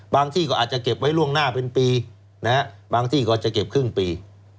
ที่ก็อาจจะเก็บไว้ล่วงหน้าเป็นปีนะฮะบางที่ก็จะเก็บครึ่งปี